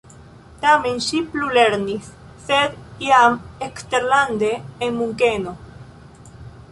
Tamen ŝi plulernis, sed jam eksterlande en Munkeno.